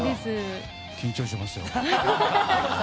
緊張しますよ。